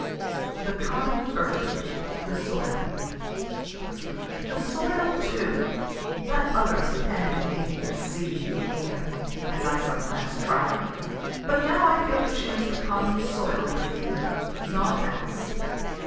THE COMMON EARTH, THE SOIL The soil, too let others pen and ink the sea, the air, (as I sometimes try) but now I feel to choose the common soil for theme naught else.